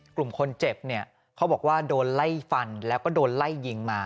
กลุ่มคนเจ็บเนี่ยเขาบอกว่าโดนไล่ฟันแล้วก็โดนไล่ยิงมา